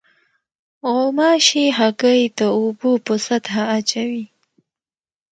غوماشې هګۍ د اوبو په سطحه اچوي.